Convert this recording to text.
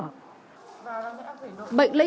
bệnh lây chuyển